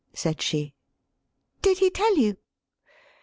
said she. "Did he tell you?"